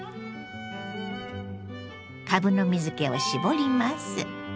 かぶの水けを絞ります。